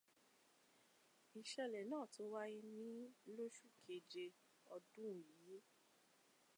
Ìṣẹ̀lẹ̀ náà tó wáyé ní lóṣù Keje, ọdún yìí.